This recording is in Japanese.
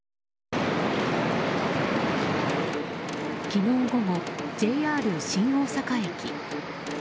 昨日午後、ＪＲ新大阪駅。